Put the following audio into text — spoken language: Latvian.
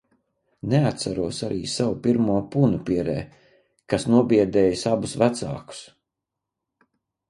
Neatceros arī savu pirmo punu pierē, kas nobiedējis abus vecākus.